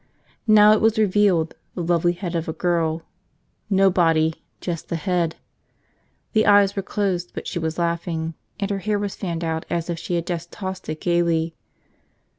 Now it was revealed, the lovely head of a girl. No body, just the head. The eyes were closed but she was laughing, and her hair was fanned out as if she had just tossed it gaily.